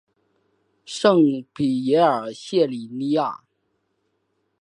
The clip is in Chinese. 圣皮耶尔谢里尼亚。